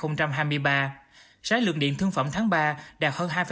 giá lượng điện thương phẩm tháng ba đạt hơn hai sáu tỷ kwh